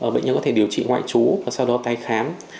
bệnh nhân có thể điều trị ngoại trú và sau đó tái khám